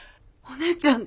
お姉ちゃん。